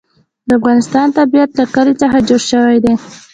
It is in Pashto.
د افغانستان طبیعت له کلي څخه جوړ شوی دی.